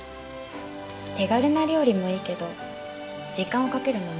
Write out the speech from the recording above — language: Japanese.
手軽な料理もいいけど時間をかけるのもなんかいいね。